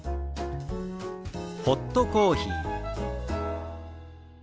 「ホットコーヒー」。